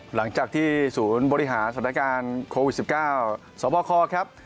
หลังจากที่ศูนย์บริหารสถานการณ์โควิด๑๙สบคครับ